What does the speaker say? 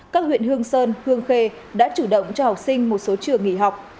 các huyện hương sơn hương khê đã chủ động cho học sinh một số trường nghỉ học